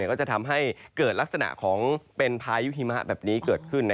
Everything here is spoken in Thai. ก็จะทำให้เกิดลักษณะของเป็นพายุหิมะแบบนี้เกิดขึ้น